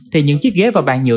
thì những chiếc ghế và bàn nhựa